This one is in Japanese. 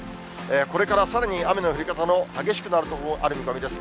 これからさらに雨の降り方の激しくなる所、ある見込みです。